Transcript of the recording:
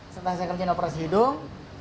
setelah saya kerjain operasi hidung